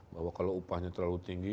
bahwa kalau upahnya terlalu tinggi